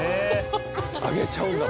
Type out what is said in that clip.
あげちゃうんだ！